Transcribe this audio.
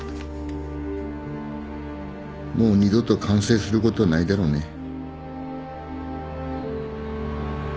もう二度と完成することはないだろうね。